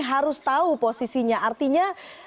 harus tahu posisinya artinya